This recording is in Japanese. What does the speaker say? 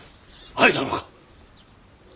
会えたのか！？